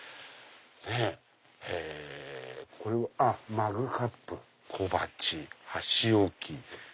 マグカップ小鉢箸置き。